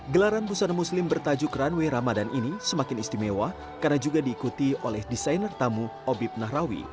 gelaran busana muslim bertajuk runway ramadan ini semakin istimewa karena juga diikuti oleh desainer tamu obib nahrawi